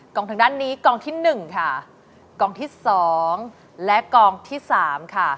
กล่องถึงด้านนี้กล่องที่๑ค่ะกล่องที่๒และกล่องที่๓ค่ะ